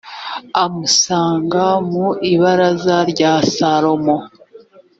amusanga mu ibaraza rya salomo